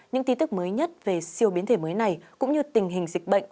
những tin tức mới nhất về siêu biến thể mới này cũng như tình hình dịch bệnh